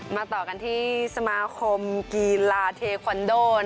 มาต่อกันที่สมาคมกีฬาเทคอนโด